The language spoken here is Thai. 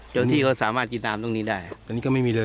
จะเพลงมาชุมของมัน